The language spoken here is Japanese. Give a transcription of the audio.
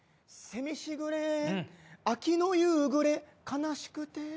「せみしぐれ秋の夕暮れ悲しくて」。